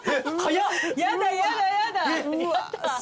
やだやだやだ。